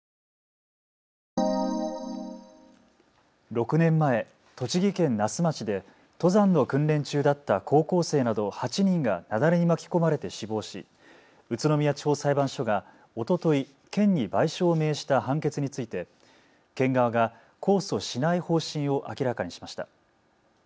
６年前、栃木県那須町で登山の訓練中だった高校生など８人が雪崩に巻き込まれて死亡し宇都宮地方裁判所がおととい県に賠償を命じた判決について県側が控訴しない方針を明らかにしました。